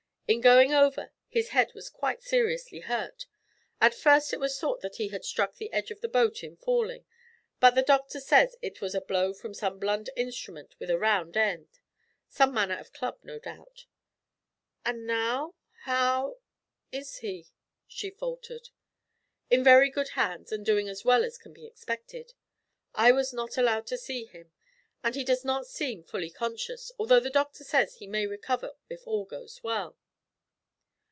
In going over, his head was quite seriously hurt. At first it was thought that he had struck the edge of the boat in falling, but the doctor says it was a blow from some blunt instrument with a rounded end some manner of club, no doubt.' 'And now how is he?' she faltered. 'In very good hands, and doing as well as can be expected. I was not allowed to see him, and he does not seem fully conscious, although the doctor says he may recover if all goes well.'